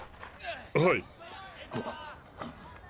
はい。